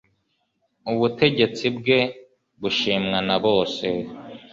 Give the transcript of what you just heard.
ubutegetsi bwe bushimwa na bose